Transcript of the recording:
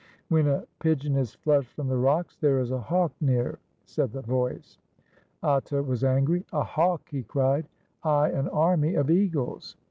"When a pigeon is flushed from the rocks, there is a hawk near," said the voice. Atta was angry. "A hawk!" he cried. "Ay, an army of eagles.